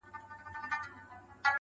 چي لا به نوري څه کانې کیږي.!